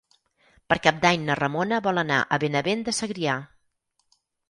Per Cap d'Any na Ramona vol anar a Benavent de Segrià.